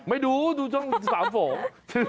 ไม่ดูดูช่องสามฝอง